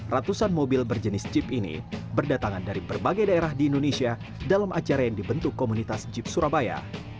ratusan mobil berjenis jeep ini berdatangan dari berbagai daerah di indonesia dalam acara yang dibentuk komunitas jeep surabaya